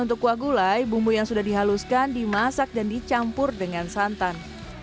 untuk kuah gulai bumbu yang sudah dihaluskan dimasak dan dicampur dengan santan